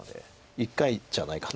１回じゃないかな。